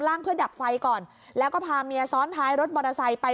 เพื่อดับไฟก่อนแล้วก็พาเมียซ้อนท้ายรถมอเตอร์ไซค์ไป